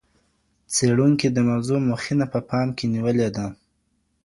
څېړونکي د موضوع مخینه په پام کې نیولي ده.